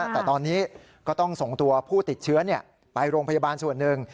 แต่ตอนนี้ก็ต้องส่งตัวผู้ติดเชื้อไปโรงพยาบาลส่วนหนึ่ง